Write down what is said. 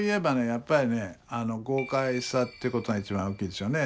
やっぱりね豪快さってことが一番大きいですよね。